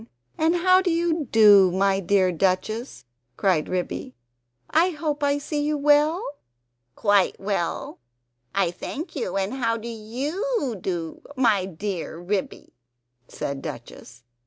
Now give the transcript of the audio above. and how do you do, my dear Duchess?" cried Ribby. "I hope I see you well?" "Quite well, I thank you, and how do YOU do, my dear Ribby?" said Duchess.